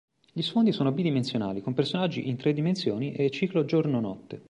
Gli sfondi sono bidimensionali, con personaggi in tre dimensioni e ciclo giorno-notte.